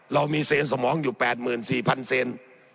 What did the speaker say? เรามีเซนสมองอยู่๘๔๐๐เซน